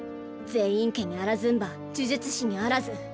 禪院家にあらずんば呪術師にあらず。